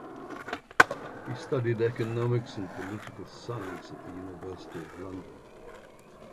He studied economics and political science at the University of London.